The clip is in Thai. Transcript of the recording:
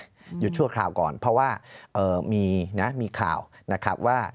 หยุดชั่วคราวก่อนเพราะว่ามีนะมีข่าวนะครับว่า